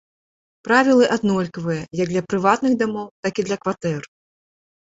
Правілы аднолькавыя, як для прыватных дамоў, так і для кватэр.